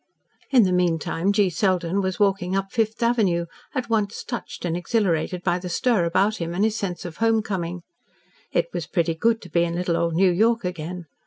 In the meantime G. Selden was walking up Fifth Avenue, at once touched and exhilarated by the stir about him and his sense of home coming. It was pretty good to be in little old New York again.